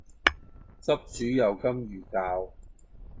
汁煮油甘魚鮫